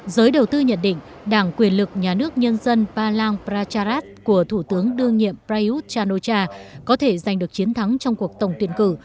giới đầu tư nhận định đảng quyền lực nhà nước nhân dân palang pracharat của thủ tướng đương nhiệm prayuth chan o cha có thể giành được chiến thắng trong cuộc tổng tuyển cử